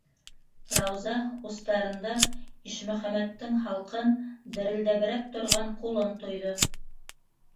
- Рауза устарында Ишмөхәмәттең һалҡын, дерелдәберәк торған ҡулын тойҙо.